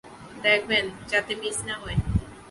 দেখবেন যাতে মিস না হয়।